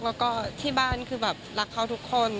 แล้วก็ที่บ้านคือแบบรักเขาทุกคน